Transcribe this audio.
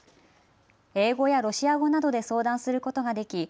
英語やロシア語などで相談することができ